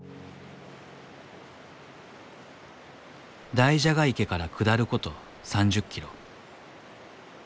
大蛇が池から下ること３０キロ。